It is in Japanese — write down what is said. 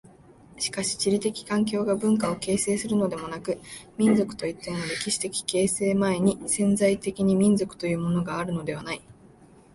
しかし地理的環境が文化を形成するのでもなく、民族といっても歴史的形成前に潜在的に民族というものがあるのではない。